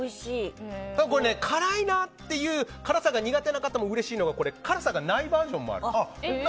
辛いなという辛さが苦手な方にうれしいのが辛さがないバージョンもある。